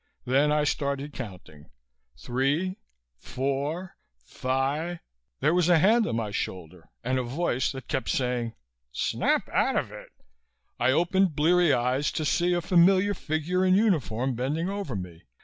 Then I started counting: "Three four fi "....There was a hand on my shoulder and a voice that kept saying, "Snap out of it!" I opened bleary eyes to see a familiar figure in uniform bending over me.